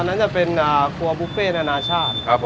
นั้นจะเป็นครัวบุฟเฟ่นานาชาติ